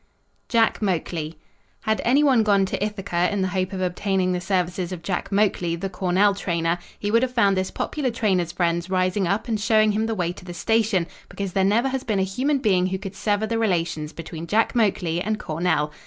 Jack Moakley Had any one gone to Ithaca in the hope of obtaining the services of Jack Moakley, the Cornell trainer, he would have found this popular trainer's friends rising up and showing him the way to the station, because there never has been a human being who could sever the relations between Jack Moakley and Cornell.